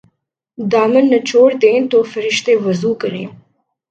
دامن نچوڑ دیں تو فرشتے وضو کریں''